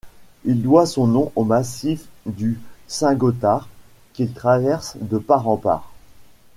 Il doit son nom au massif du Saint-Gothard qu'il traverse de part en part.